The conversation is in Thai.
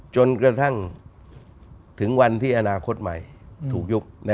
จนกระทั่งถึงวันที่อนาคตใหม่ถูกยุบ